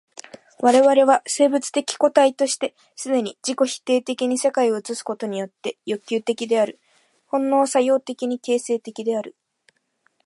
我々は生物的個体として既に自己否定的に世界を映すことによって欲求的である、本能作用的に形成的である。